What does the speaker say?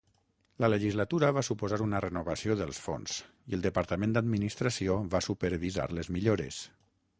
La legislatura va suposar una renovació dels fons i el departament d'administració va supervisar les millores.